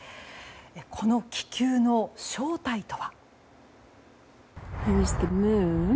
この気球の正体とは？